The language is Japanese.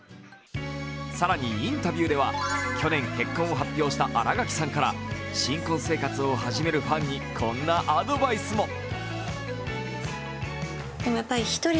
更に、インタビューでは去年結婚を発表した新垣さんから、新婚生活を始めるファンにこんなアドバイスも。